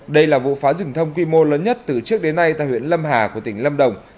đây là vụ phá rừng thông quy mô lớn nhất từ trước đến nay tại huyện lâm hà của tỉnh lâm đồng